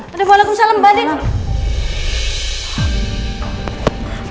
assalamualaikum salam badan